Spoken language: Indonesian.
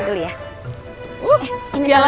uh bialanya besar